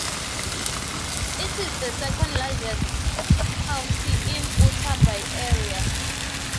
It is the second-largest county in Utah by area.